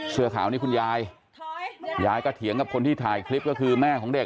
เสื้อขาวนี่คุณยายยายก็เถียงกับคนที่ถ่ายคลิปก็คือแม่ของเด็ก